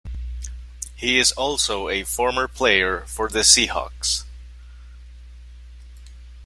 He is also a former player for the Seahawks.